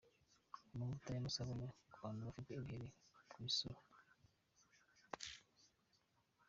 Amavuta n’amasabune ku bantu bafite ibiheri ku isura.